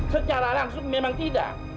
secara langsung memang tidak